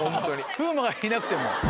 風磨がいなくても。